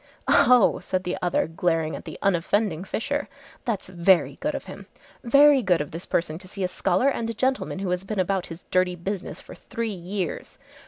"Oh!" said the other glaring at the unoffending Fisher, "that's very good of him. Very good of this person to see a scholar and a gentleman who has been about his dirty business for three years.